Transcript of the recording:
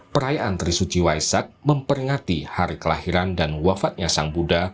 perayaan trisuci waisak memperingati hari kelahiran dan wafatnya sang buddha